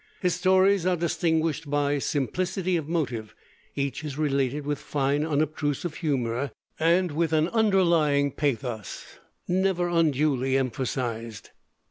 His stories are distinguished by simplicity of motive; each is related with fine unobtrusive humor and with an underlying pathos, never unduly emphasized.